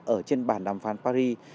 ở trên bản đàm phán paris